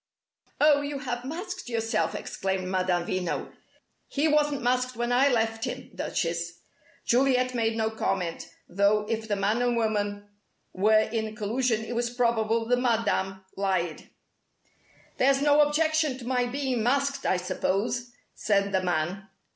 "Oh, you have masked yourself!" exclaimed Madame Veno. "He wasn't masked when I left him, Duchess!" Juliet made no comment, though if the man and woman were in collusion it was probable that Madame lied. "There's no objection to my being masked, I suppose?" said the man.